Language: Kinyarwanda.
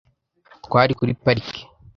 Twari kuri parike .